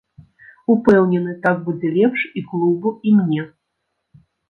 Упэўнены, так будзе лепш і клубу, і мне.